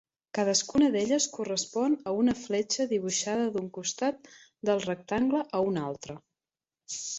Cadascuna d'elles correspon a una fletxa dibuixada d'un costat del rectangle a un altre.